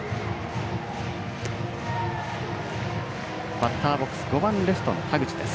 バッターボックス、５番レフトの田口です。